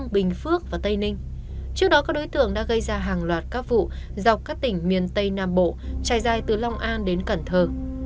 bình phước và tây ninh trước đó các đối tượng đã gây ra hàng loạt các vụ dọc các tỉnh miền tây nam bộ trải dài từ long an đến cần thơ